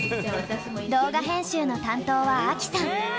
動画編集の担当はアキさん！